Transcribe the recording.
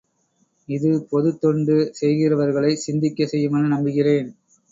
இது பொதுத் தொண்டு செய்கிறவர்களைச் சிந்திக்கச் செய்யுமென நம்புகிறேன்.